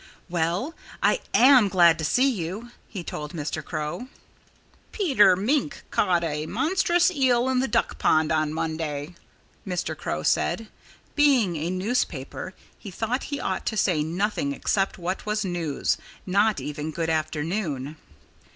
"Well, I am glad to see you!" he told Mr. Crow. "Peter Mink caught a monstrous eel in the duck pond on Monday," Mr. Crow said. Being a newspaper, he thought he ought to say nothing except what was news not even "Good afternoon!"